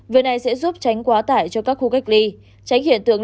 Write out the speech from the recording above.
việc này sẽ giúp tránh quá tải cho các khu cách ly tránh hiện tượng